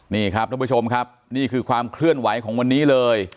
นี่ครับท่านผู้ชมครับนี่คือความเคลื่อนไหวของวันนี้เลย